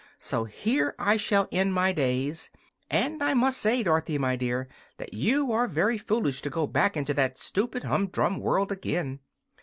So here I shall end my days; and I must say, Dorothy, my dear, that you are very foolish to go back into that stupid, humdrum world again."